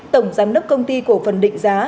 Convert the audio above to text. tổng giám đốc công ty của phần định giá